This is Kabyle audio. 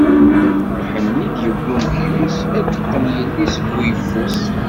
Lḥenni i d-yewwi umekyus, ad t-teqqen yelli deg uyeffus.